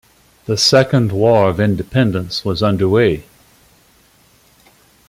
The Second War of Independence was underway.